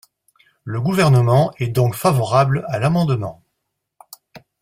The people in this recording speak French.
Le Gouvernement est donc favorable à l’amendement.